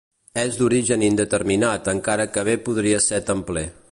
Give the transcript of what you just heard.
És d'origen indeterminat encara que bé podria ser templer.